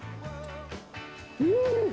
うん！